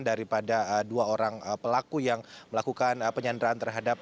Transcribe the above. daripada dua orang pelaku yang melakukan penyanderaan terhadap